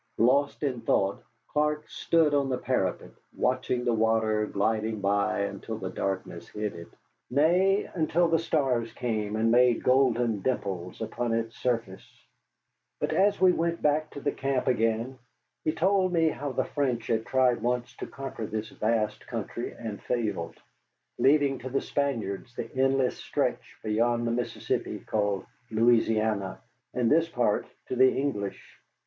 Lost in thought, Clark stood on the parapet, watching the water gliding by until the darkness hid it, nay, until the stars came and made golden dimples upon its surface. But as we went back to the camp again he told me how the French had tried once to conquer this vast country and failed, leaving to the Spaniards the endless stretch beyond the Mississippi called Louisiana, and this part to the English.